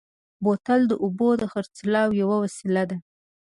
بوتل د اوبو د خرڅلاو یوه وسیله ده.